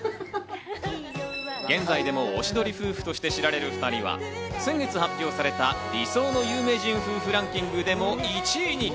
現在でも、おしどり夫婦として知られる２人は先月発表された理想の有名人夫婦ランキングでも１位に。